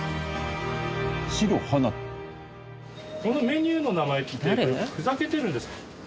このメニューの名前ってこれふざけてるんですか？